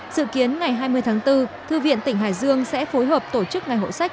dự kiến ngày hai mươi tháng bốn thư viện tỉnh hải dương sẽ phối hợp tổ chức ngày hộ sách